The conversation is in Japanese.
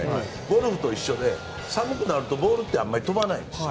ゴルフと一緒で寒くなるとボールってあんまり飛ばないんです。